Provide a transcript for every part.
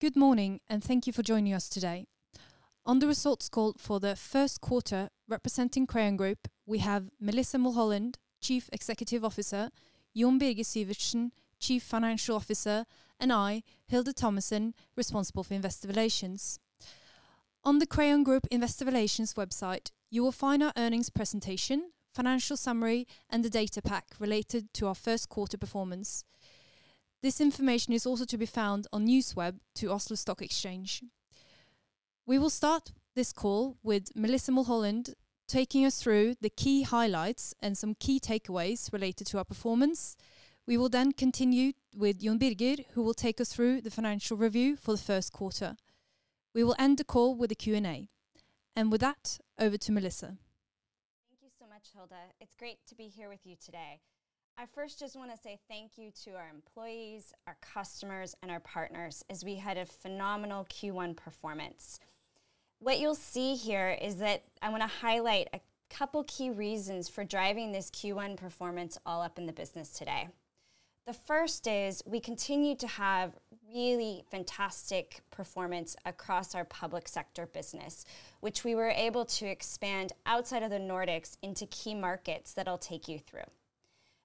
Good morning, thank you for joining us today. On the results call for the first quarter, representing Crayon Group, we have Melissa Mulholland, Chief Executive Officer, Jon Birger Syvertsen, Chief Financial Officer, and I, Hilde Thomassen, Responsible for Investor Relations. On the Crayon Group investor relations website, you will find our earnings presentation, financial summary, and the data pack related to our first quarter performance. This information is also to be found on NewsWeb to Oslo Stock Exchange. We will start this call with Melissa Mulholland taking us through the key highlights and some key takeaways related to our performance. We will then continue with Jon Birger, who will take us through the financial review for the first quarter. We will end the call with a Q&A. With that, over to Melissa. Thank you so much, Hilde. It's great to be here with you today. I first just want to say thank you to our employees, our customers, and our partners, as we had a phenomenal Q1 performance. What you'll see here is that I want to highlight a couple key reasons for driving this Q1 performance all up in the business today.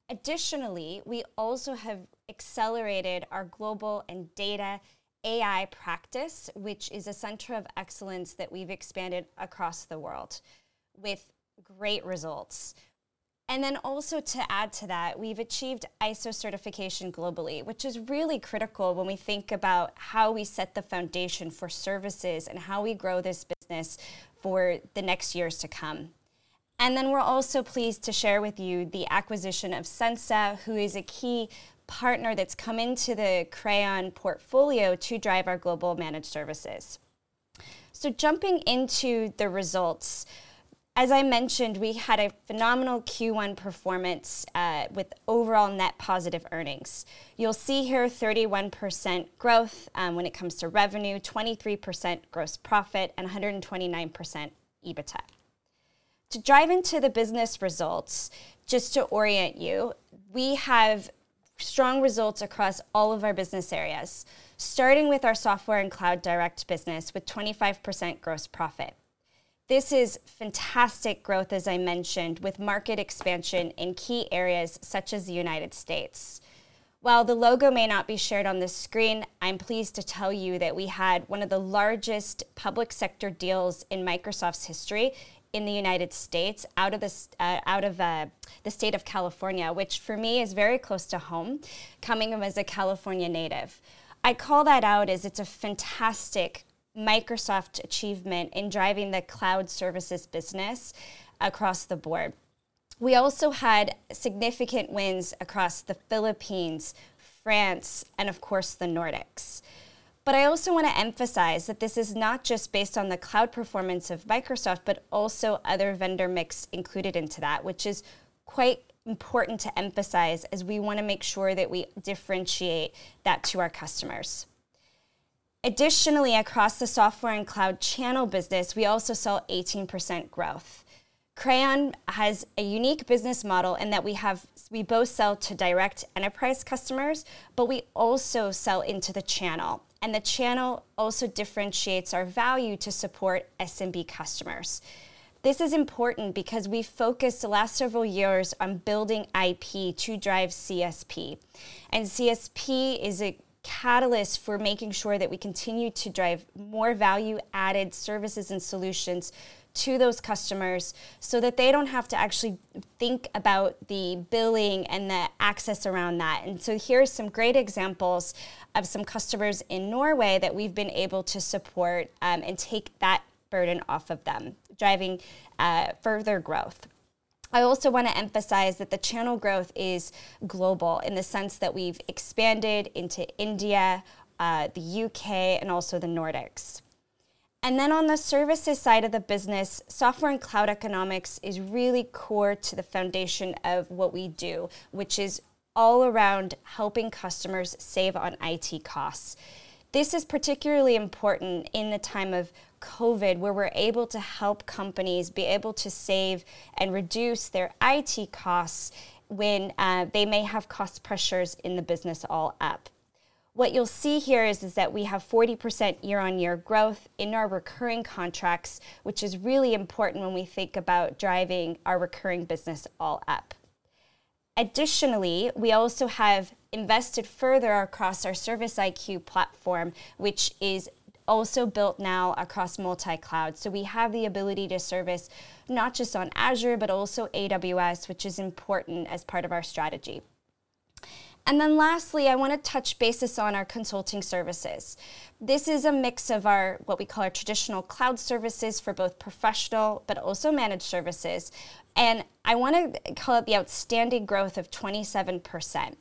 Additionally, we also have accelerated our global data AI practice, which is a center of excellence that we've expanded across the world with great results. Also to add to that, we've achieved ISO certification globally, which is really critical when we think about how we set the foundation for services and how we grow this business for the next years to come. We're also pleased to share with you the acquisition of Sensa, who is a key partner that's come into the Crayon portfolio to drive our global managed services. Jumping into the results, as I mentioned, we had a phenomenal Q1 performance with overall net positive earnings. You'll see here 31% growth when it comes to revenue, 23% gross profit, and 129% EBITDA. To drive into the business results, just to orient you, we have strong results across all of our business areas, starting with our Software and Cloud Direct business with 25% gross profit. This is fantastic growth, as I mentioned, with market expansion in key areas such as the U.S. While the logo may not be shared on this screen, I'm pleased to tell you that we had one of the largest public sector deals in Microsoft's history in the U.S. out of the State of California, which for me is very close to home coming as a California native. I call that out as it's a fantastic Microsoft achievement in driving the cloud services business across the board. We also had significant wins across the Philippines, France, and of course, the Nordics. I also want to emphasize that this is not just based on the cloud performance of Microsoft, but also other vendor mix included into that, which is quite important to emphasize as we want to make sure that we differentiate that to our customers. Additionally, across the Software and Cloud Channel business, we also saw 18% growth. Crayon has a unique business model in that we both sell to direct enterprise customers, but we also sell into the channel, and the channel also differentiates our value to support SMB customers. This is important because we focused the last several years on building IP to drive CSP. CSP is a catalyst for making sure that we continue to drive more value-added services and solutions to those customers so that they don't have to actually think about the billing and the access around that. Here are some great examples of some customers in Norway that we've been able to support and take that burden off of them, driving further growth. I also want to emphasize that the channel growth is global in the sense that we've expanded into India, the U.K., and also the Nordics. Then on the services side of the business, Software and Cloud Economics is really core to the foundation of what we do, which is all around helping customers save on IT costs. This is particularly important in the time of COVID, where we're able to help companies be able to save and reduce their IT costs when they may have cost pressures in the business all up. What you'll see here is that we have 40% year-on-year growth in our recurring contracts, which is really important when we think about driving our recurring business all up. Additionally, we also have invested further across our Service-iQ platform, which is also built now across multi-cloud. We have the ability to service not just on Azure, but also AWS, which is important as part of our strategy. Lastly, I want to touch basis on our consulting services. This is a mix of what we call our traditional cloud services for both professional but also managed services, and I want to call out the outstanding growth of 27%.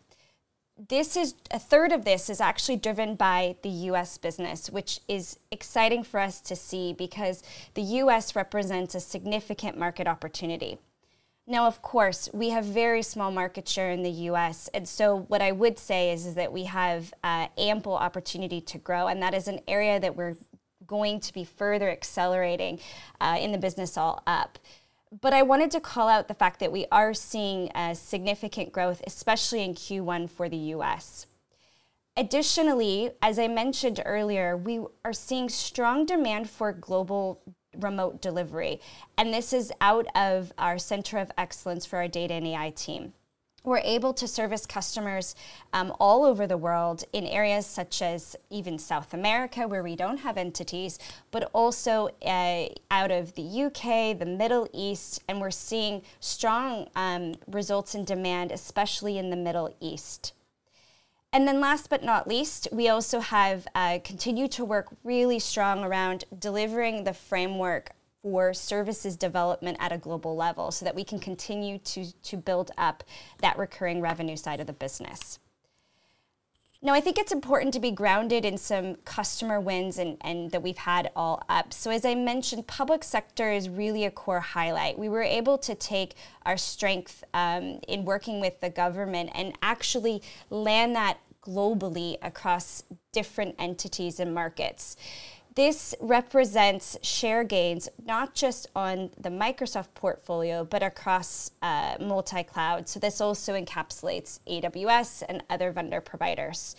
A third of this is actually driven by the U.S. business, which is exciting for us to see because the U.S. represents a significant market opportunity. Now, of course, we have very small market share in the U.S., and so what I would say is that we have ample opportunity to grow, and that is an area that we're going to be further accelerating in the business all up. I wanted to call out the fact that we are seeing a significant growth, especially in Q1 for the U.S. Additionally, as I mentioned earlier, we are seeing strong demand for global remote delivery, and this is out of our center of excellence for our data and AI team. We're able to service customers all over the world in areas such as even South America, where we don't have entities, but also out of the U.K., the Middle East, and we're seeing strong results in demand, especially in the Middle East. Last but not least, we also have continued to work really strong around delivering the framework for services development at a global level so that we can continue to build up that recurring revenue side of the business. I think it's important to be grounded in some customer wins that we've had all up. As I mentioned, public sector is really a core highlight. We were able to take our strength in working with the government and actually land that globally across different entities and markets. This represents share gains, not just on the Microsoft portfolio, but across multi-cloud. This also encapsulates AWS and other vendor providers.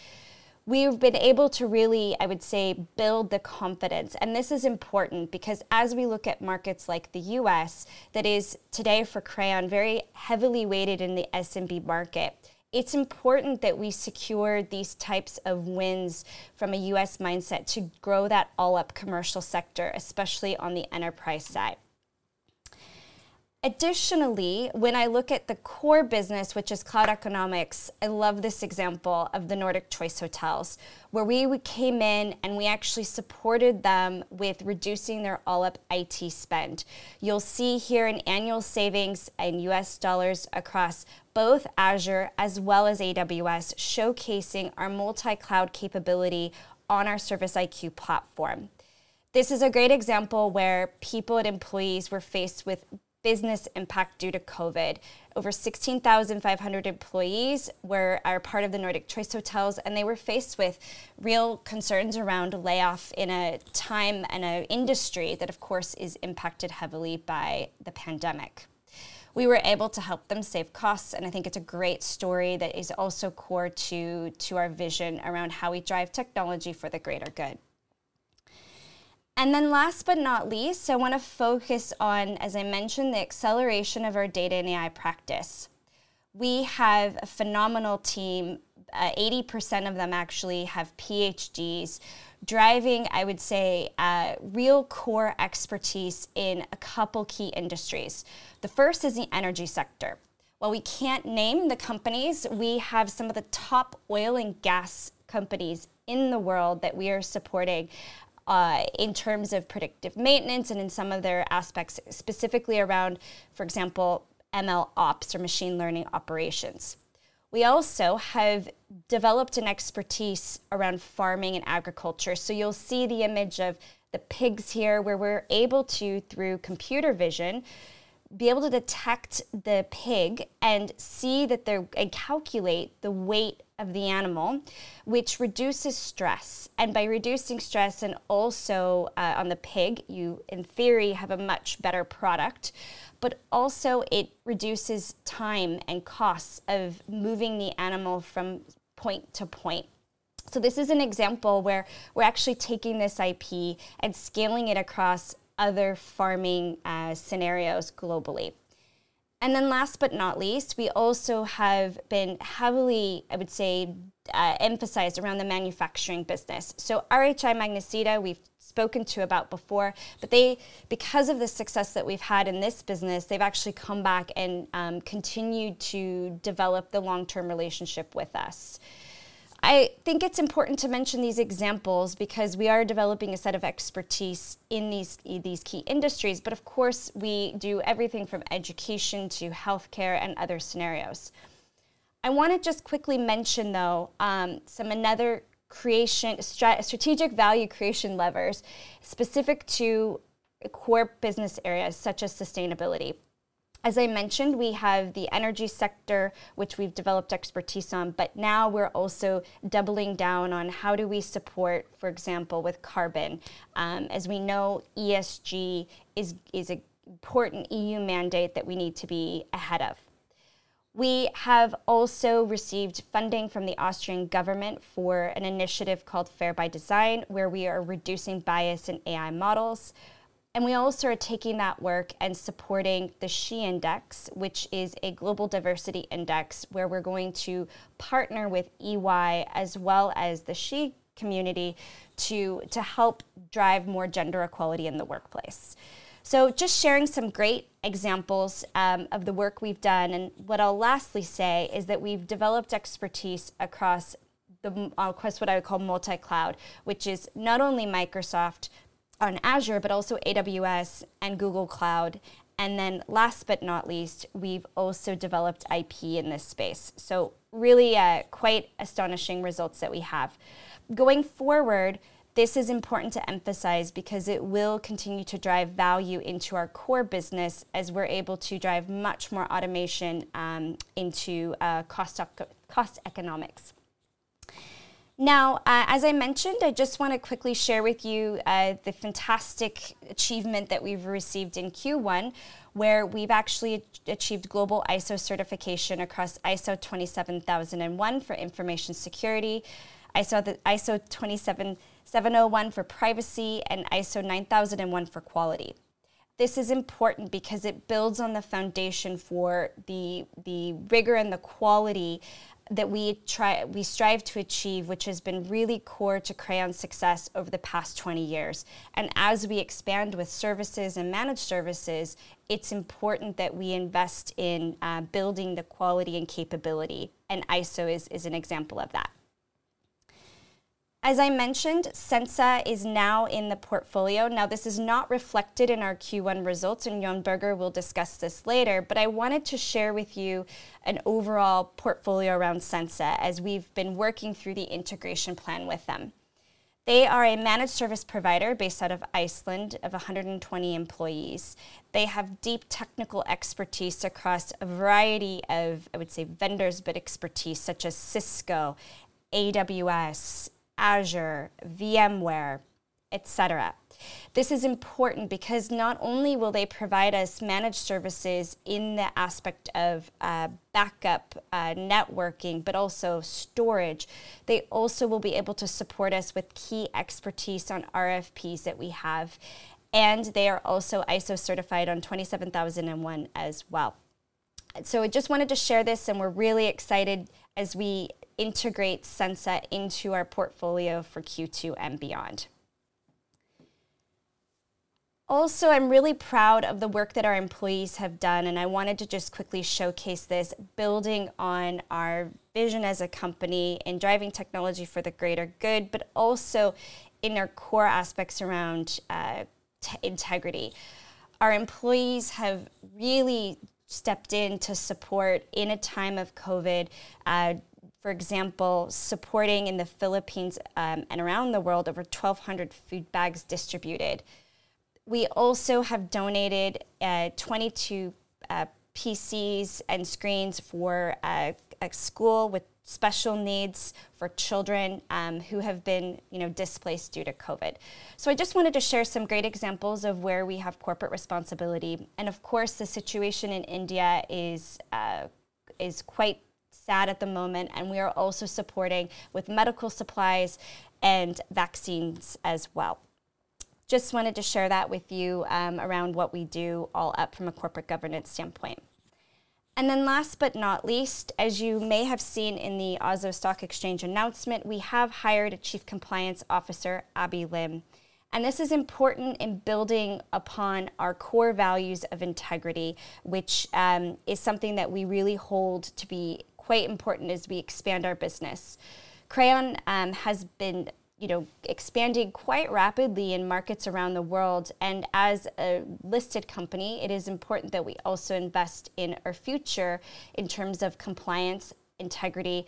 We've been able to really, I would say, build the confidence, and this is important because as we look at markets like the U.S., that is today for Crayon, very heavily weighted in the SMB market. It's important that we secure these types of wins from a U.S. mindset to grow that all up commercial sector, especially on the enterprise side. Additionally, when I look at the core business, which is Cloud Economics, I love this example of the Nordic Choice Hotels, where we came in, and we actually supported them with reducing their all-up IT spend. You'll see here an annual savings in U.S. dollars across both Azure as well as AWS, showcasing our multi-cloud capability on our Service-iQ platform. This is a great example where people and employees were faced with business impact due to COVID. Over 16,500 employees were part of the Nordic Choice Hotels, and they were faced with real concerns around layoff in a time and an industry that, of course, is impacted heavily by the pandemic. We were able to help them save costs, and I think it's a great story that is also core to our vision around how we drive technology for the greater good. Last but not least, I want to focus on, as I mentioned, the acceleration of our data and AI practice. We have a phenomenal team. 80% of them actually have PhDs driving, I would say, real core expertise in a couple key industries. The first is the energy sector. While we can't name the companies, we have some of the top oil and gas companies in the world that we are supporting in terms of predictive maintenance and in some other aspects, specifically around, for example, MLOps or machine learning operations. We also have developed an expertise around farming and agriculture. You'll see the image of the pigs here, where we're able to, through computer vision, be able to detect the pig and calculate the weight of the animal, which reduces stress. By reducing stress on the pig, you, in theory, have a much better product, but also it reduces time and costs of moving the animal from point to point. This is an example where we're actually taking this IP and scaling it across other farming scenarios globally. Last but not least, we also have been heavily, I would say, emphasized around the manufacturing business. RHI Magnesita, we've spoken to about before, but because of the success that we've had in this business, they've actually come back and continued to develop the long-term relationship with us. I think it's important to mention these examples because we are developing a set of expertise in these key industries. Of course, we do everything from education to healthcare and other scenarios. I want to just quickly mention, though, some other strategic value creation levers specific to core business areas such as sustainability. As I mentioned, we have the energy sector, which we've developed expertise on, but now we're also doubling down on how do we support, for example, with carbon. As we know, ESG is an important EU mandate that we need to be ahead of. We have also received funding from the Austrian government for an initiative called fAIr by design, where we are reducing bias in AI models. We also are taking that work and supporting the SHE Index, which is a global diversity index where we're going to partner with EY as well as the SHE Community to help drive more gender equality in the workplace. Just sharing some great examples of the work we've done. What I'll lastly say is that we've developed expertise across what I would call multi-cloud, which is not only Microsoft on Azure but also AWS and Google Cloud. Last but not least, we've also developed IP in this space. Really quite astonishing results that we have. Going forward, this is important to emphasize because it will continue to drive value into our core business as we're able to drive much more automation into cost economics. As I mentioned, I just want to quickly share with you the fantastic achievement that we've received in Q1, where we've actually achieved global ISO certification across ISO 27001 for information security, ISO 27701 for privacy, and ISO 9001 for quality. This is important because it builds on the foundation for the rigor and the quality that we strive to achieve, which has been really core to Crayon's success over the past 20 years. As we expand with services and managed services, it's important that we invest in building the quality and capability, and ISO is an example of that. As I mentioned, Sensa is now in the portfolio. This is not reflected in our Q1 results, and Jon Birger will discuss this later, but I wanted to share with you an overall portfolio around Sensa as we've been working through the integration plan with them. They are a managed service provider based out of Iceland of 120 employees. They have deep technical expertise across a variety of, I would say, vendors, but expertise such as Cisco, AWS, Azure, VMware, et cetera. This is important because not only will they provide us managed services in the aspect of backup networking, but also storage. They also will be able to support us with key expertise on RFPs that we have, and they are also ISO certified on 27001 as well. I just wanted to share this, and we're really excited as we integrate Sensa into our portfolio for Q2 and beyond. I'm really proud of the work that our employees have done, and I wanted to just quickly showcase this, building on our vision as a company and driving technology for the greater good, but also in our core aspects around integrity. Our employees have really stepped in to support in a time of COVID, for example, supporting in the Philippines and around the world, over 1,200 food bags distributed. We also have donated 22 PCs and screens for a school with special needs for children who have been displaced due to COVID. I just wanted to share some great examples of where we have corporate responsibility. Of course, the situation in India is quite sad at the moment, and we are also supporting with medical supplies and vaccines as well. Just wanted to share that with you around what we do all up from a corporate governance standpoint. Last but not least, as you may have seen in the Oslo Stock Exchange announcement, we have hired a Chief Compliance Officer, Abbey Lin. This is important in building upon our core values of integrity, which is something that we really hold to be quite important as we expand our business. Crayon has been expanding quite rapidly in markets around the world. As a listed company, it is important that we also invest in our future in terms of compliance, integrity,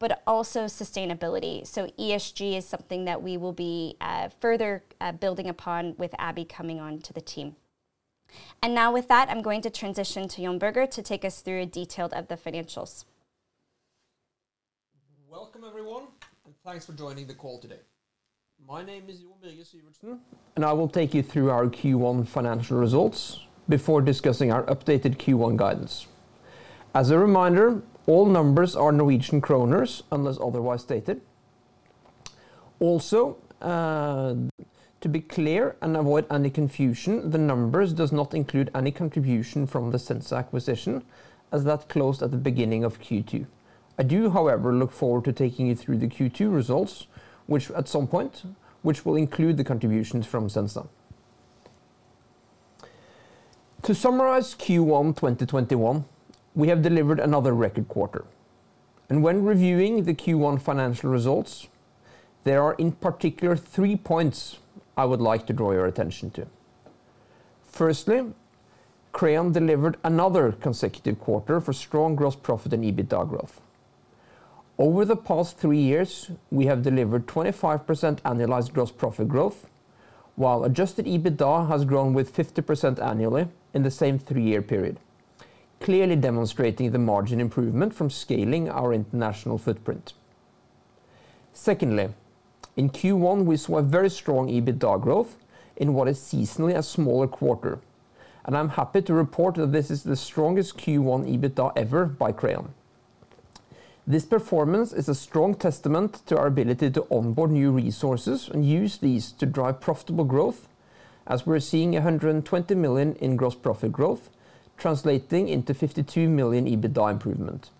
but also sustainability. ESG is something that we will be further building upon with Abbey Lin coming onto the team. Now with that, I'm going to transition to Jon Birger to take us through a detail of the financials. Welcome, everyone, and thanks for joining the call today. My name is Jon Birger Syvertsen, and I will take you through our Q1 financial results before discussing our updated Q1 guidance. As a reminder, all numbers are NOK unless otherwise stated. Also, to be clear and avoid any confusion, the numbers do not include any contribution from the Sensa acquisition, as that closed at the beginning of Q2. I do, however, look forward to taking you through the Q2 results, at some point, which will include the contributions from Sensa. To summarize Q1 2021, we have delivered another record quarter. When reviewing the Q1 financial results, there are in particular three points I would like to draw your attention to. Firstly, Crayon delivered another consecutive quarter for strong gross profit and EBITDA growth. Over the past three years, we have delivered 25% annualized gross profit growth, while adjusted EBITDA has grown with 50% annually in the same three-year period, clearly demonstrating the margin improvement from scaling our international footprint. Secondly, in Q1, we saw a very strong EBITDA growth in what is seasonally a smaller quarter. I'm happy to report that this is the strongest Q1 EBITDA ever by Crayon. This performance is a strong testament to our ability to onboard new resources and use these to drive profitable growth as we're seeing 120 million in gross profit growth, translating into 52 million EBITDA improvement,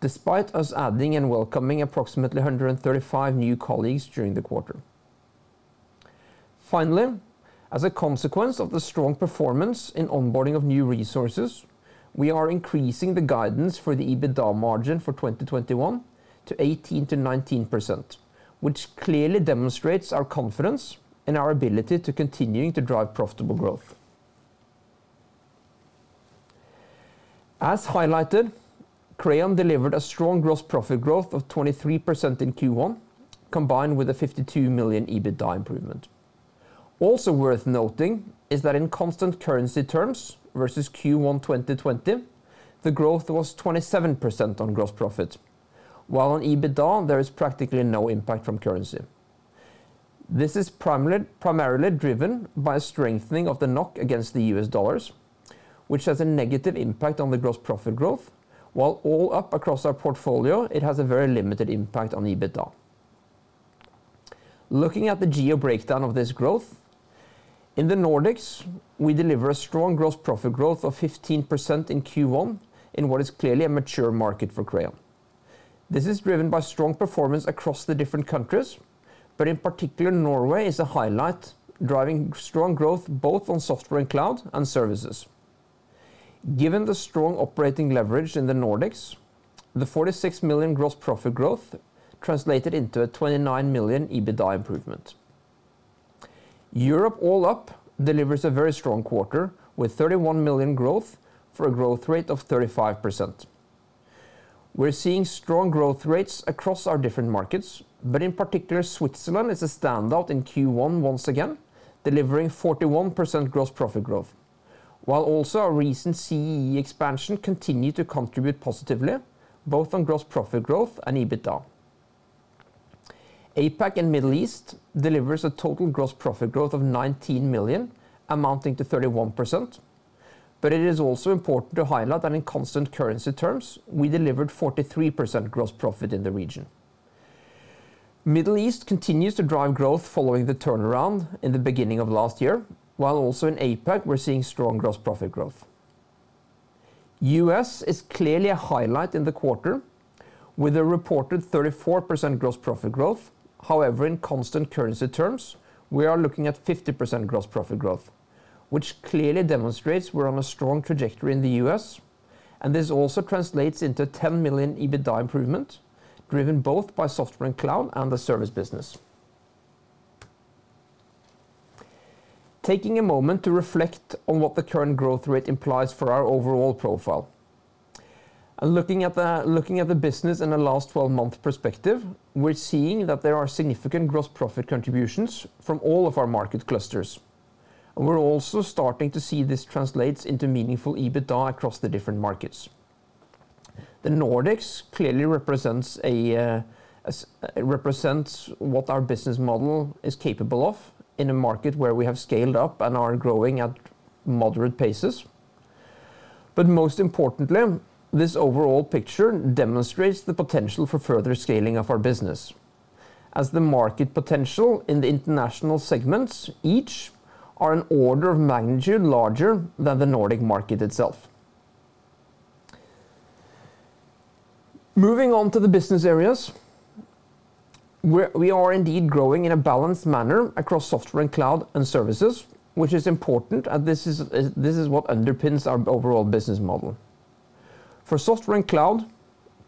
despite us adding and welcoming approximately 135 new colleagues during the quarter. As a consequence of the strong performance in onboarding of new resources, we are increasing the guidance for the EBITDA margin for 2021 to 18%-19%, which clearly demonstrates our confidence in our ability to continuing to drive profitable growth. As highlighted, Crayon delivered a strong gross profit growth of 23% in Q1, combined with a 52 million EBITDA improvement. Also worth noting is that in constant currency terms versus Q1 2020, the growth was 27% on gross profit, while on EBITDA, there is practically no impact from currency. This is primarily driven by a strengthening of the NOK against the U.S. dollars, which has a negative impact on the gross profit growth, while all up across our portfolio, it has a very limited impact on EBITDA. Looking at the geo breakdown of this growth, in the Nordics, we deliver a strong gross profit growth of 15% in Q1, in what is clearly a mature market for Crayon. This is driven by strong performance across the different countries, but in particular, Norway is a highlight, driving strong growth both on software and cloud and services. Given the strong operating leverage in the Nordics, the 46 million gross profit growth translated into a 29 million EBITDA improvement. Europe all up delivers a very strong quarter with 31 million growth for a growth rate of 35%. We're seeing strong growth rates across our different markets, but in particular, Switzerland is a standout in Q1 once again, delivering 41% gross profit growth, while also our recent CEE expansion continued to contribute positively both on gross profit growth and EBITDA. APAC and Middle East delivers a total gross profit growth of 19 million, amounting to 31%. It is also important to highlight that in constant currency terms, we delivered 43% gross profit in the region. Middle East continues to drive growth following the turnaround in the beginning of last year, while also in APAC, we're seeing strong gross profit growth. U.S. is clearly a highlight in the quarter with a reported 34% gross profit growth. However, in constant currency terms, we are looking at 50% gross profit growth, which clearly demonstrates we're on a strong trajectory in the U.S., and this also translates into 10 million EBITDA improvement, driven both by Software and Cloud and the service business. Taking a moment to reflect on what the current growth rate implies for our overall profile. Looking at the business in the last 12-month perspective, we're seeing that there are significant gross profit contributions from all of our market clusters. We're also starting to see this translates into meaningful EBITDA across the different markets. The Nordics clearly represents what our business model is capable of in a market where we have scaled up and are growing at moderate paces. Most importantly, this overall picture demonstrates the potential for further scaling of our business, as the market potential in the international segments each are an order of magnitude larger than the Nordic market itself. Moving on to the business areas, we are indeed growing in a balanced manner across software and cloud and services, which is important, and this is what underpins our overall business model. For software and cloud,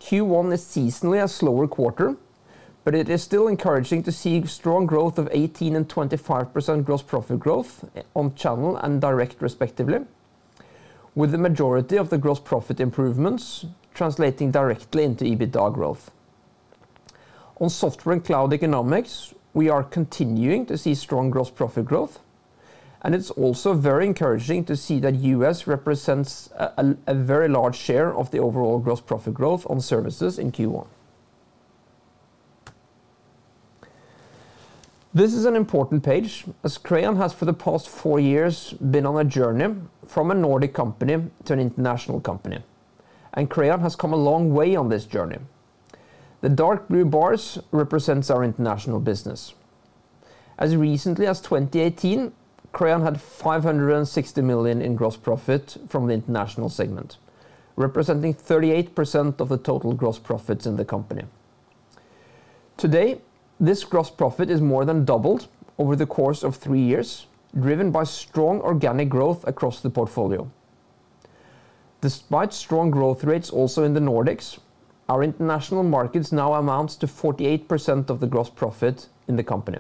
Q1 is seasonally a slower quarter, it is still encouraging to see strong growth of 18% and 25% gross profit growth on channel and direct respectively, with the majority of the gross profit improvements translating directly into EBITDA growth. On Software and Cloud Economics, we are continuing to see strong gross profit growth, it's also very encouraging to see that U.S. represents a very large share of the overall gross profit growth on services in Q1. This is an important page as Crayon has, for the past four years, been on a journey from a Nordic company to an international company, Crayon has come a long way on this journey. The dark blue bars represents our international business. As recently as 2018, Crayon had 560 million in gross profit from the international segment, representing 38% of the total gross profits in the company. Today, this gross profit is more than doubled over the course of three years, driven by strong organic growth across the portfolio. Despite strong growth rates also in the Nordics, our international markets now amounts to 48% of the gross profit in the company.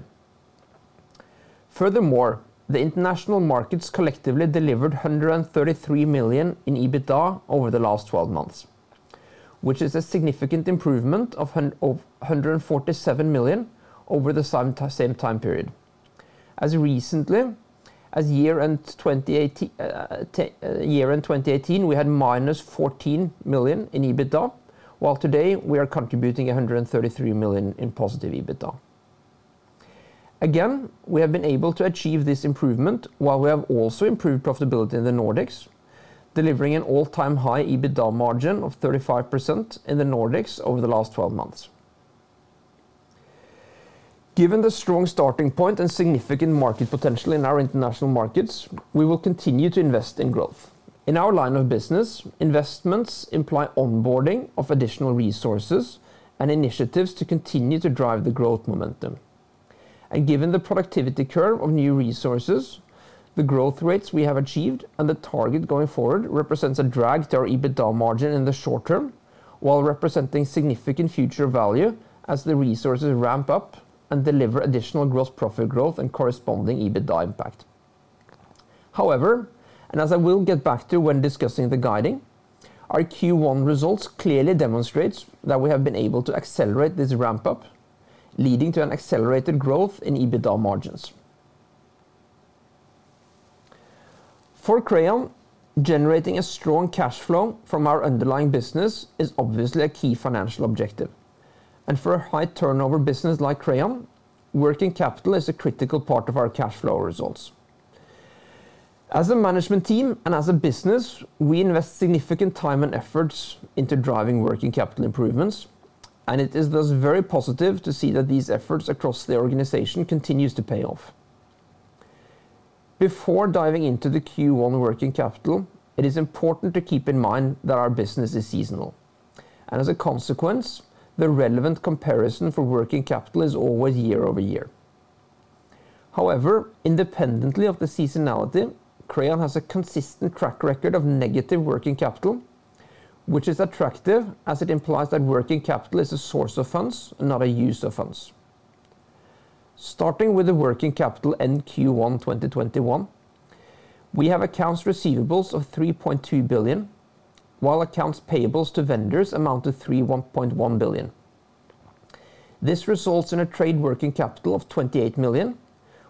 The international markets collectively delivered 133 million in EBITDA over the last 12 months, which is a significant improvement of 147 million over the same time period. As recently as year-end 2018, we had -14 million in EBITDA, while today we are contributing 133 million in positive EBITDA. We have been able to achieve this improvement while we have also improved profitability in the Nordics, delivering an all-time high EBITDA margin of 35% in the Nordics over the last 12 months. Given the strong starting point and significant market potential in our international markets, we will continue to invest in growth. In our line of business, investments imply onboarding of additional resources and initiatives to continue to drive the growth momentum. Given the productivity curve of new resources, the growth rates we have achieved and the target going forward represents a drag to our EBITDA margin in the short-term, while representing significant future value as the resources ramp up and deliver additional gross profit growth and corresponding EBITDA impact. However, and as I will get back to when discussing the guiding, our Q1 results clearly demonstrates that we have been able to accelerate this ramp-up, leading to an accelerated growth in EBITDA margins. For Crayon, generating a strong cash flow from our underlying business is obviously a key financial objective. For a high-turnover business like Crayon, working capital is a critical part of our cash flow results. As a management team and as a business, we invest significant time and efforts into driving working capital improvements. It is thus very positive to see that these efforts across the organization continues to pay off. Before diving into the Q1 working capital, it is important to keep in mind that our business is seasonal. As a consequence, the relevant comparison for working capital is always year-over-year. Independently of the seasonality, Crayon has a consistent track record of negative working capital, which is attractive as it implies that working capital is a source of funds, not a use of funds. Starting with the working capital in Q1 2021, we have accounts receivables of 3.2 billion, while accounts payables to vendors amount to 3.1 billion. This results in a trade working capital of 28 million,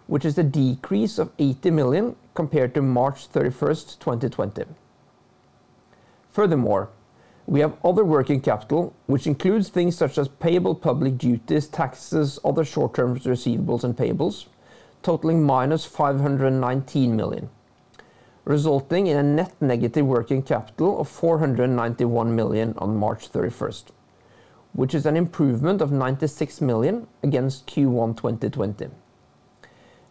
which is a decrease of 80 million compared to March 31, 2020. Furthermore, we have other working capital, which includes things such as payable public duties, taxes, other short-term receivables and payables totaling -519 million, resulting in a net negative working capital of 491 million on March 31st, which is an improvement of 96 million against Q1 2020.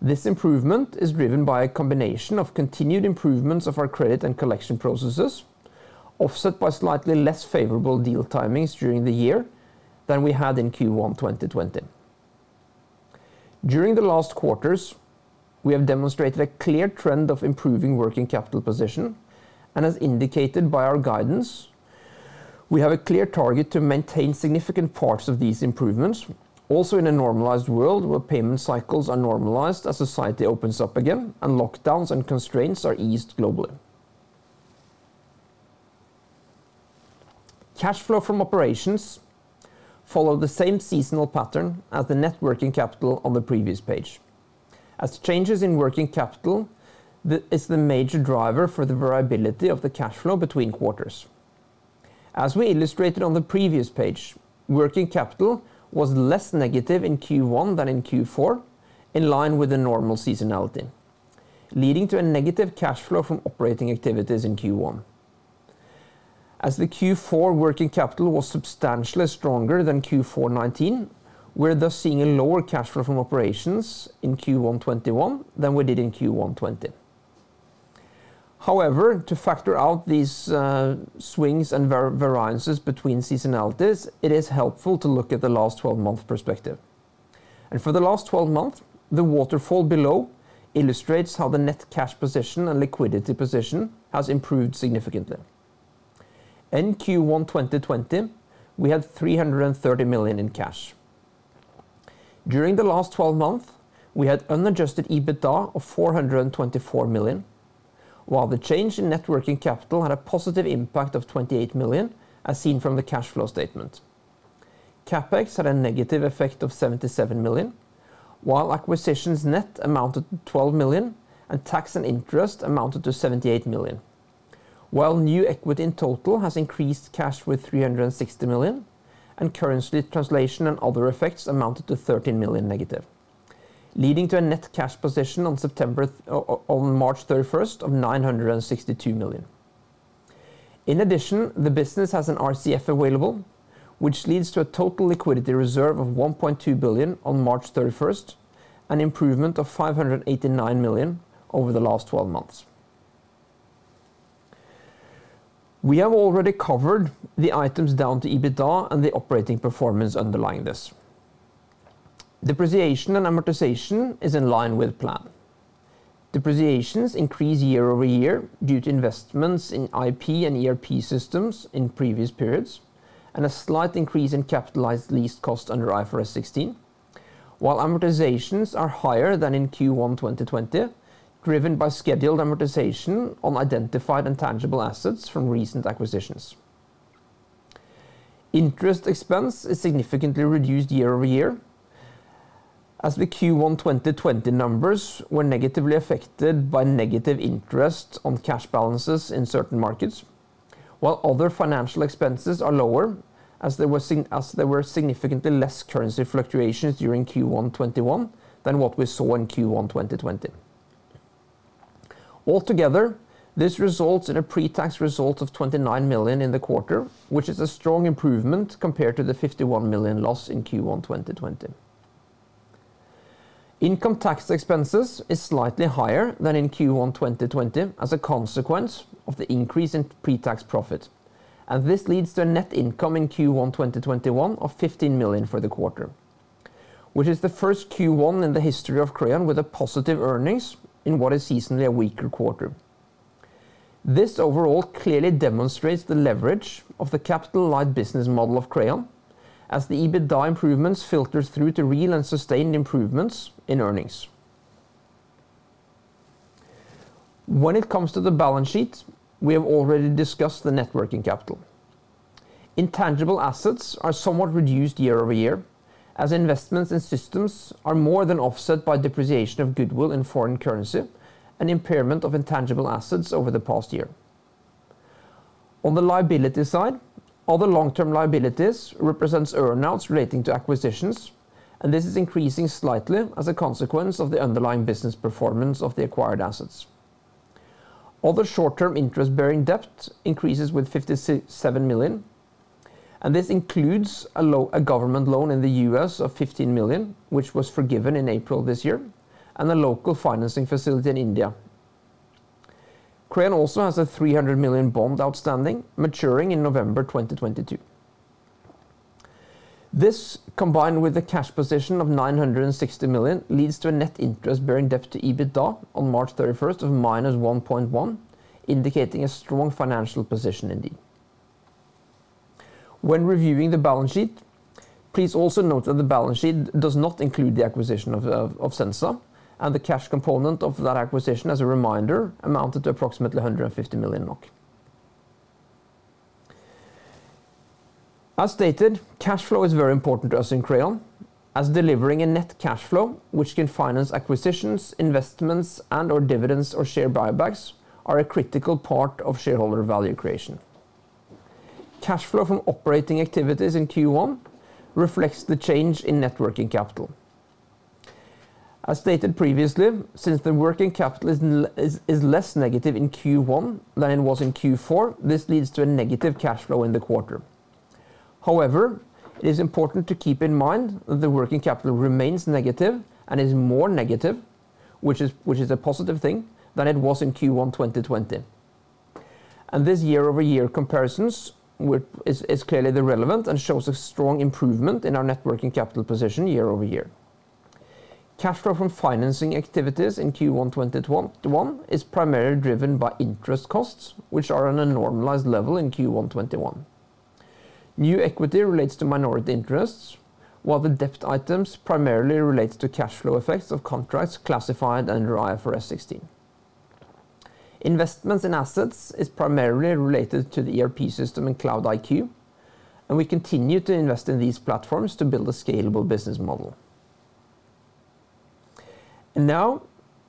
This improvement is driven by a combination of continued improvements of our credit and collection processes, offset by slightly less favorable deal timings during the year than we had in Q1 2020. During the last quarters, we have demonstrated a clear trend of improving working capital position. As indicated by our guidance, we have a clear target to maintain significant parts of these improvements, also in a normalized world where payment cycles are normalized as society opens up again and lockdowns and constraints are eased globally. Cash flow from operations follow the same seasonal pattern as the net working capital on the previous page. Changes in working capital is the major driver for the variability of the cash flow between quarters. We illustrated on the previous page, working capital was less negative in Q1 than in Q4, in line with the normal seasonality, leading to a negative cash flow from operating activities in Q1. The Q4 working capital was substantially stronger than Q4 2019, we're thus seeing a lower cash flow from operations in Q1 2021 than we did in Q1 2020. However, to factor out these swings and variances between seasonalities, it is helpful to look at the last 12-month perspective. For the last 12 months, the waterfall below illustrates how the net cash position and liquidity position has improved significantly. In Q1 2020, we had 330 million in cash. During the last 12 months, we had unadjusted EBITDA of 424 million, while the change in net working capital had a positive impact of 28 million, as seen from the cash flow statement. CapEx had a negative effect of 77 million, while acquisitions net amounted to 12 million, and tax and interest amounted to 78 million. New equity in total has increased cash with 360 million, and currency translation and other effects amounted to 13 million negative, leading to a net cash position on March 31st of 962 million. In addition, the business has an RCF available, which leads to a total liquidity reserve of 1.2 billion on March 31st, an improvement of 589 million over the last 12 months. We have already covered the items down to EBITDA and the operating performance underlying this. Depreciation and amortization is in line with plan. Depreciations increase year-over-year due to investments in IP and ERP systems in previous periods, and a slight increase in capitalized leased cost under IFRS 16, while amortizations are higher than in Q1 2020, driven by scheduled amortization on identified and tangible assets from recent acquisitions. Interest expense is significantly reduced year-over-year, as the Q1 2020 numbers were negatively affected by negative interest on cash balances in certain markets, while other financial expenses are lower as there were significantly less currency fluctuations during Q1 2021 than what we saw in Q1 2020. Altogether, this results in a pre-tax result of 29 million in the quarter, which is a strong improvement compared to the 51 million loss in Q1 2020. Income tax expenses is slightly higher than in Q1 2020 as a consequence of the increase in pre-tax profit. This leads to a net income in Q1 2021 of 15 million for the quarter, which is the first Q1 in the history of Crayon with a positive earnings in what is seasonally a weaker quarter. This overall clearly demonstrates the leverage of the capital-light business model of Crayon as the EBITDA improvements filters through to real and sustained improvements in earnings. When it comes to the balance sheet, we have already discussed the net working capital. Intangible assets are somewhat reduced year-over-year, as investments in systems are more than offset by depreciation of goodwill in foreign currency and impairment of intangible assets over the past year. On the liability side, other long-term liabilities represents earn-outs relating to acquisitions, and this is increasing slightly as a consequence of the underlying business performance of the acquired assets. Other short-term interest-bearing debt increases with 57 million, and this includes a government loan in the U.S. of 15 million, which was forgiven in April this year, and a local financing facility in India. Crayon also has a 300 million bond outstanding, maturing in November 2022. This, combined with a cash position of 960 million, leads to a net interest-bearing debt to EBITDA on March 31st of -1.1, indicating a strong financial position indeed. When reviewing the balance sheet, please also note that the balance sheet does not include the acquisition of Sensa, and the cash component of that acquisition, as a reminder, amounted to approximately 150 million NOK. As stated, cash flow is very important to us in Crayon. Delivering a net cash flow, which can finance acquisitions, investments, and/or dividends, or share buybacks, are a critical part of shareholder value creation. Cash flow from operating activities in Q1 reflects the change in net working capital. As stated previously, since the working capital is less negative in Q1 than it was in Q4, this leads to a negative cash flow in the quarter. However, it is important to keep in mind that the working capital remains negative and is more negative, which is a positive thing, than it was in Q1 2020. This year-over-year comparisons is clearly relevant and shows a strong improvement in our net working capital position year-over-year. Cash flow from financing activities in Q1 2021 is primarily driven by interest costs, which are on a normalized level in Q1 2021. New equity relates to minority interests, while the debt items primarily relates to cash flow effects of contracts classified under IFRS 16. Investments in assets is primarily related to the ERP system and Cloud-iQ, we continue to invest in these platforms to build a scalable business model. Now,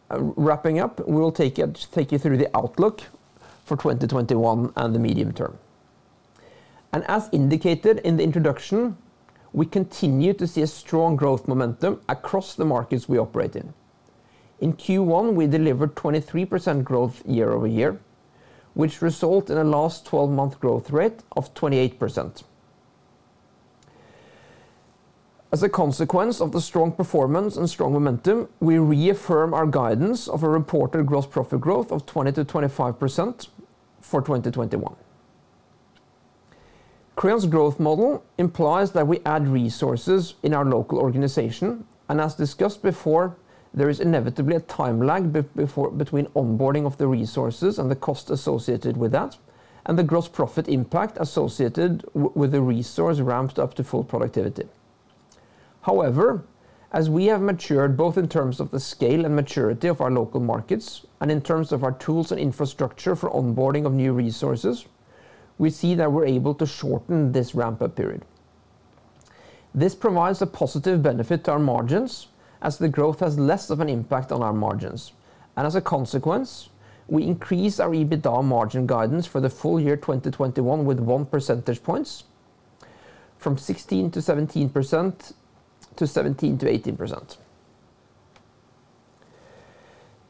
wrapping up, we will take you through the outlook for 2021 and the medium term. As indicated in the introduction, we continue to see a strong growth momentum across the markets we operate in. In Q1, we delivered 23% growth year-over-year, which result in a last 12-month growth rate of 28%. As a consequence of the strong performance and strong momentum, we reaffirm our guidance of a reported gross profit growth of 20%-25% for 2021. Crayon's growth model implies that we add resources in our local organization, as discussed before, there is inevitably a time lag between onboarding of the resources and the cost associated with that, and the gross profit impact associated with the resource ramped up to full productivity. As we have matured both in terms of the scale and maturity of our local markets and in terms of our tools and infrastructure for onboarding of new resources, we see that we're able to shorten this ramp-up period. This provides a positive benefit to our margins as the growth has less of an impact on our margins. As a consequence, we increase our EBITDA margin guidance for the full year 2021 with 1 percentage points from 16%-17%, to 17%-18%.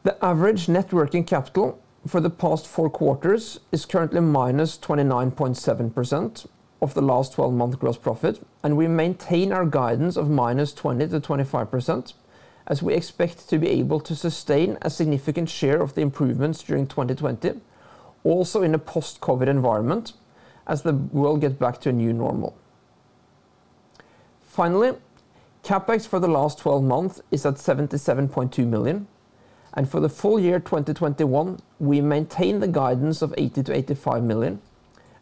The average net working capital for the past four quarters is currently -29.7% of the last 12-month gross profit. We maintain our guidance of -20%-25% as we expect to be able to sustain a significant share of the improvements during 2020 also in a post-COVID environment, as the world gets back to a new normal. Finally, CapEx for the last 12 months is at 77.2 million. For the full year 2021, we maintain the guidance of 80 million-85 million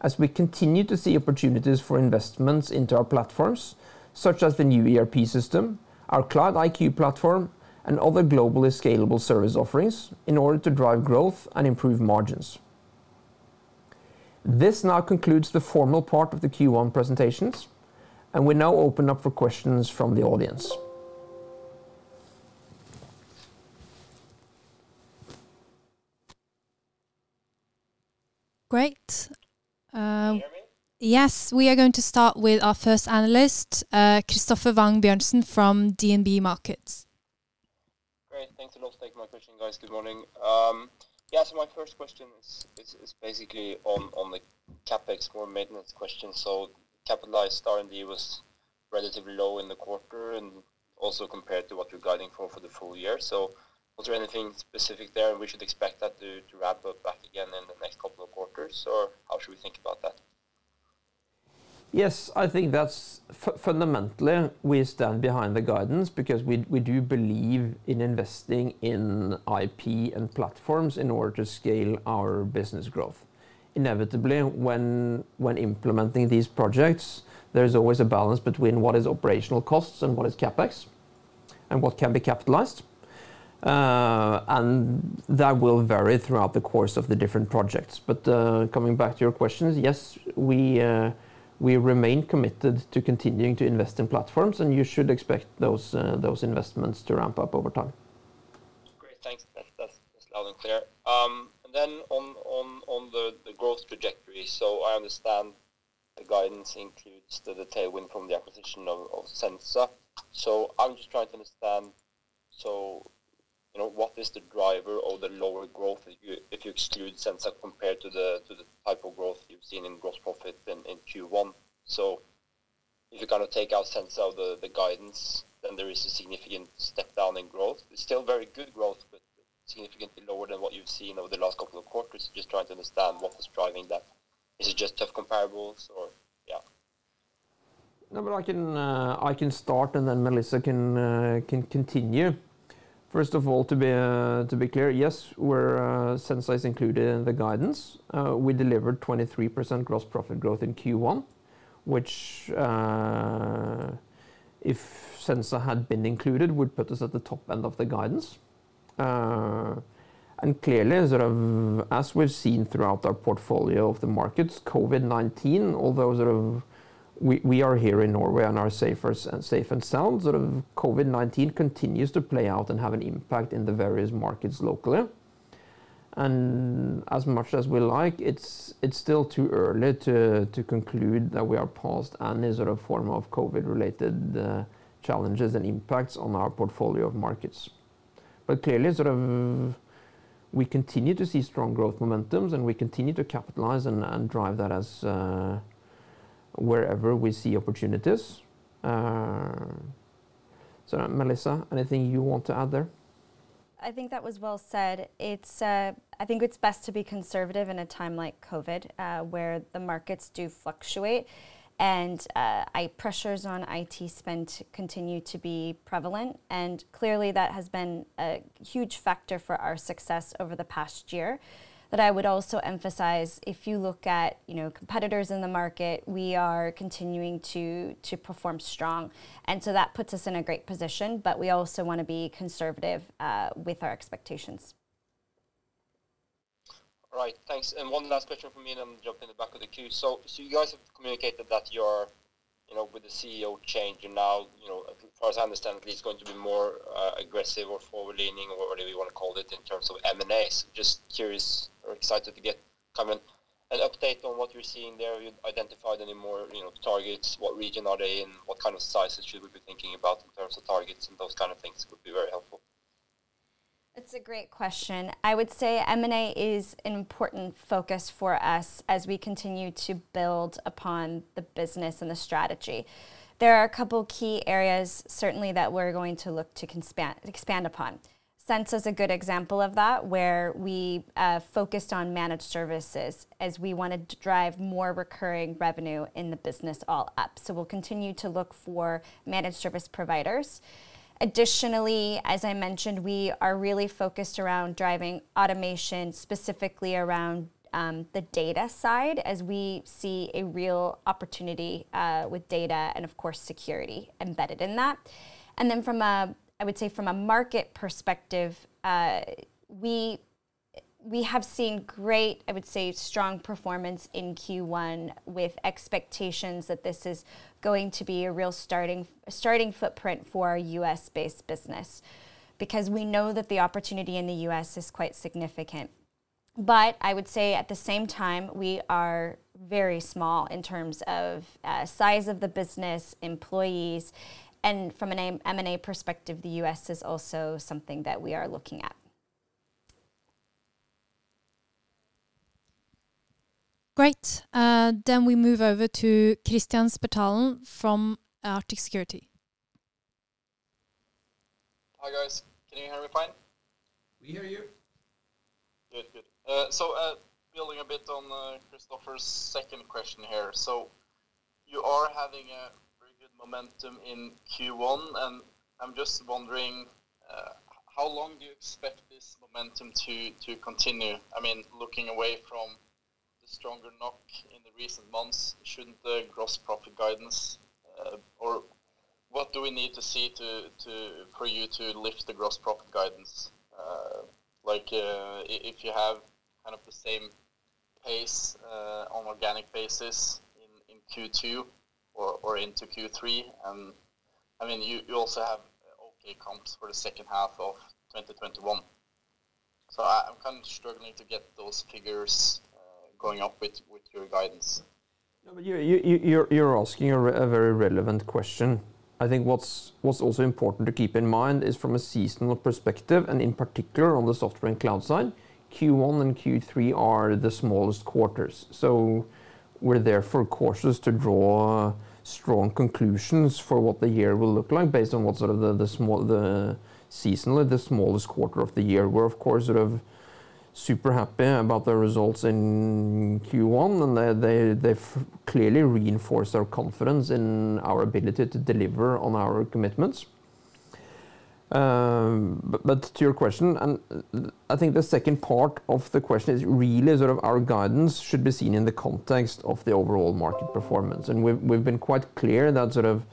as we continue to see opportunities for investments into our platforms such as the new ERP system, our Cloud-iQ platform, and other globally scalable service offerings in order to drive growth and improve margins. This now concludes the formal part of the Q1 presentations. We now open up for questions from the audience. Great. Yes, we are going to start with our first analyst, Christoffer Wang Bjørnsen from DNB Markets. Great. Thanks a lot for taking my question, guys. Good morning. My first question is basically on the CapEx core maintenance question. Capitalized R&D was relatively low in the quarter and also compared to what you're guiding for for the full year. Was there anything specific there we should expect that to ramp up back again in the next couple of quarters, or how should we think about that? Yes, I think that's fundamentally we stand behind the guidance because we do believe in investing in IP and platforms in order to scale our business growth. Inevitably, when implementing these projects, there's always a balance between what is operational costs and what is CapEx, and what can be capitalized. That will vary throughout the course of the different projects. Coming back to your questions, yes, we remain committed to continuing to invest in platforms, and you should expect those investments to ramp up over time. Great. Thanks. That's loud and clear. On the growth trajectory, I understand the guidance includes the tailwind from the acquisition of Sensa. I'm just trying to understand what is the driver of the lower growth if you exclude Sensa compared to the type of growth you've seen in gross profit in Q1? If you take out Sensa out of the guidance, then there is a significant step down in growth. It's still very good growth, but significantly lower than what you've seen over the last couple of quarters. Just trying to understand what was driving that. Is it just tough comparables? No, I can start, and then Melissa can continue. First of all, to be clear, yes, Sensa is included in the guidance. We delivered 23% gross profit growth in Q1, which, if Sensa had been included, would put us at the top end of the guidance. Clearly, as we've seen throughout our portfolio of the markets, COVID-19, although we are here in Norway and are safe and sound, COVID-19 continues to play out and have an impact in the various markets locally. As much as we like, it's still too early to conclude that we are past any form of COVID-related challenges and impacts on our portfolio of markets. Clearly, we continue to see strong growth momentums, and we continue to capitalize and drive that as wherever we see opportunities. Melissa, anything you want to add there? I think that was well said. I think it's best to be conservative in a time like COVID, where the markets do fluctuate and pressures on IT spend continue to be prevalent. Clearly that has been a huge factor for our success over the past year. I would also emphasize, if you look at competitors in the market, we are continuing to perform strong. That puts us in a great position, but we also want to be conservative with our expectations. All right. Thanks. One last question from me, and then I'm jumping in the back of the queue. You guys have communicated that with the CEO change and now, as far as I understand at least, going to be more aggressive or forward-leaning or whatever you want to call it in terms of M&As. Just curious or excited to get kind of an update on what you're seeing there. You've identified any more targets? What region are they in? What kind of sizes should we be thinking about in terms of targets? Those kind of things would be very helpful. That's a great question. I would say M&A is an important focus for us as we continue to build upon the business and the strategy. There are a couple key areas, certainly, that we're going to look to expand upon. Sensa is a good example of that, where we focused on managed services as we want to drive more recurring revenue in the business all up. We'll continue to look for managed service providers. Additionally, as I mentioned, we are really focused around driving automation, specifically around the data side as we see a real opportunity with data and of course, security embedded in that. From a market perspective, we have seen great, strong performance in Q1 with expectations that this is going to be a real starting footprint for our U.S.-based business, because we know that the opportunity in the U.S. is quite significant. At the same time, we are very small in terms of size of the business, employees. From an M&A perspective, the U.S. is also something that we are looking at. Great. We move over to Kristian Spetalen from Arctic Securities. Hi, guys. Can you hear me fine? We hear you. Good. Building a bit on Christoffer's second question here. You are having a very good momentum in Q1, and I'm just wondering how long do you expect this momentum to continue? Looking away from the stronger NOK in the recent months, what do we need to see for you to lift the gross profit guidance? If you have kind of the same pace on organic basis in Q2 or into Q3, and you also have okay comps for the second half of 2021. I'm kind of struggling to get those figures going up with your guidance. No, you're asking a very relevant question. I think what's also important to keep in mind is from a seasonal perspective, and in particular on the software and cloud side, Q1 and Q3 are the smallest quarters. We're therefore cautious to draw strong conclusions for what the year will look like based on what sort of the seasonal, the smallest quarter of the year. We're of course sort of super happy about the results in Q1, and they clearly reinforce our confidence in our ability to deliver on our commitments. To your question, and I think the second part of the question is really sort of our guidance should be seen in the context of the overall market performance. We've been quite clear that sort of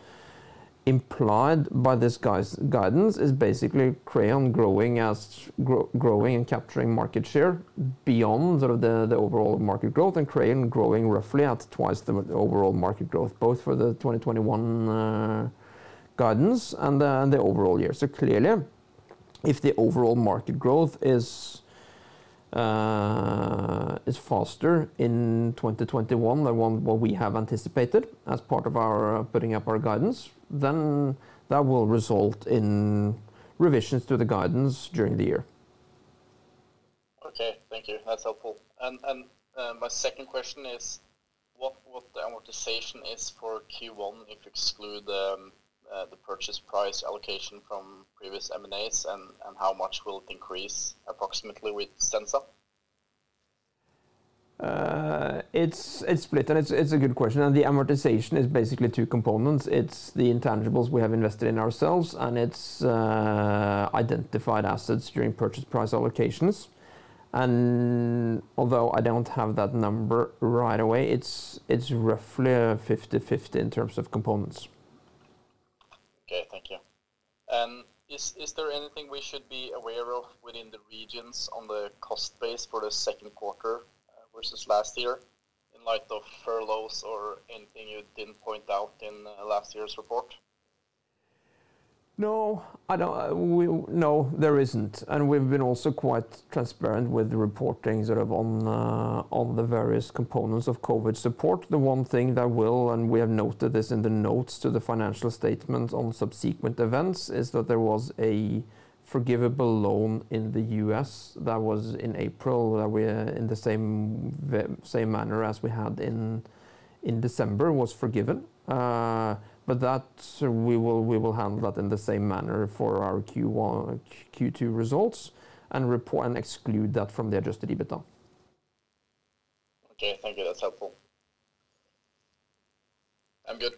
implied by this guidance is basically Crayon growing and capturing market share beyond sort of the overall market growth, and Crayon growing roughly at twice the overall market growth, both for the 2021 guidance and the overall year. Clearly, if the overall market growth is faster in 2021 than what we have anticipated as part of our putting up our guidance, then that will result in revisions to the guidance during the year. Okay, thank you. That's helpful. My second question is what the amortization is for Q1 if you exclude the purchase price allocation from previous M&As, and how much will it increase approximately with Sensa? It's split, and it's a good question. The amortization is basically two components. It's the intangibles we have invested in ourselves, and it's identified assets during purchase price allocations. Although I don't have that number right away, it's roughly 50/50 in terms of components. Okay, thank you. Is there anything we should be aware of within the regions on the cost base for the second quarter versus last year, in light of furloughs or anything you didn't point out in last year's report? No, there isn't. We've been also quite transparent with the reporting sort of on the various components of COVID support. The one thing that will, and we have noted this in the notes to the financial statement on subsequent events, is that there was a forgivable loan in the U.S. that was in April, that we're in the same manner as we had in December was forgiven. That, we will handle that in the same manner for our Q2 results and report and exclude that from the adjusted EBITDA. Okay, thank you. That's helpful. I'm good.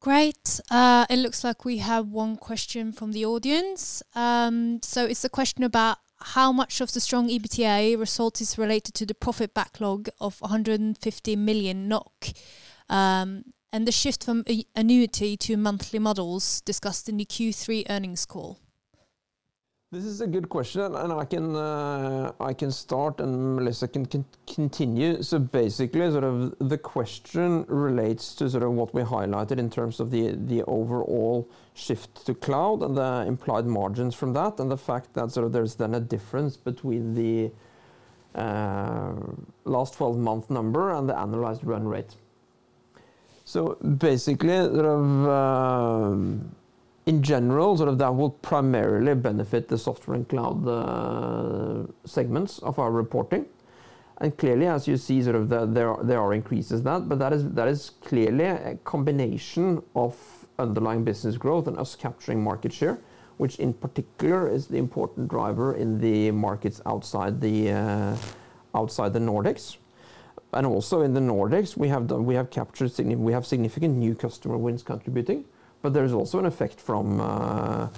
Great. It looks like we have one question from the audience. It's a question about how much of the strong EBITDA result is related to the profit backlog of 150 million NOK, and the shift from annuity to monthly models discussed in the Q3 earnings call. This is a good question. I can start, and Melissa can continue. Basically, the question relates to what we highlighted in terms of the overall shift to cloud and the implied margins from that, and the fact that there's then a difference between the last 12-month number and the annualized run rate. Basically, in general, that will primarily benefit the software and cloud segments of our reporting. Clearly, as you see, there are increases in that, but that is clearly a combination of underlying business growth and us capturing market share, which in particular is the important driver in the markets outside the Nordics. Also in the Nordics, we have significant new customer wins contributing, but there is also an effect, to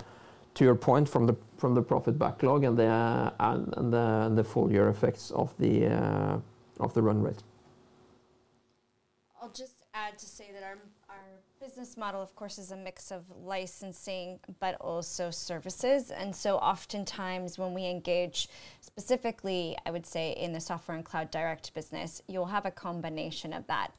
your point, from the profit backlog and the full year effects of the run rate. I'll just add to say that our business model, of course, is a mix of licensing, but also services. Oftentimes when we engage specifically, I would say, in the Software and Cloud Direct business, you'll have a combination of that.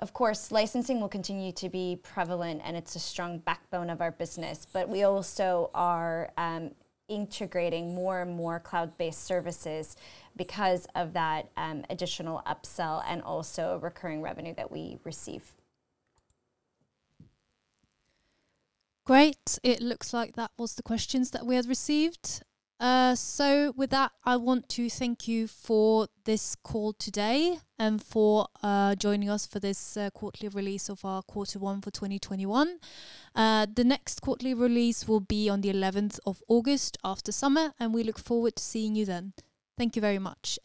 Of course, licensing will continue to be prevalent, and it's a strong backbone of our business, but we also are integrating more and more cloud-based services because of that additional upsell and also recurring revenue that we receive. Great. It looks like that was the questions that we had received. With that, I want to thank you for this call today and for joining us for this quarterly release of our quarter one for 2021. The next quarterly release will be on the 11th of August after summer, and we look forward to seeing you then. Thank you very much.